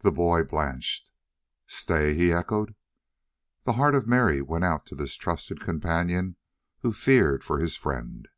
The boy blanched. "Stay?" he echoed. The heart of Mary went out to this trusted companion who feared for his friend.